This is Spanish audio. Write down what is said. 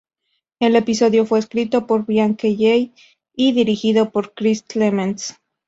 El episodio fue escrito por Brian Kelley y dirigido por Chris Clements.